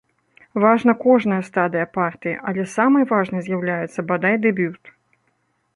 Важная кожная стадыя партыі, але самай важнай з'яўляецца, бадай, дэбют.